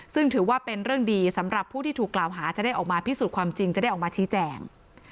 ซึ่งถือว่าเป็นเรื่องดีสำหรับผู้ที่ถูกกล่าวหาจะได้ออกมาพิสูจน์ความจริงจะได้ออกมาชี้แจง